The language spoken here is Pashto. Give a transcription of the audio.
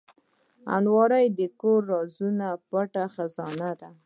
الماري د کورنۍ رازونو پټ خزانه ده